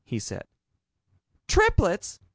he said. "Triplets!"